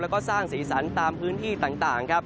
แล้วก็สร้างสีสันตามพื้นที่ต่างครับ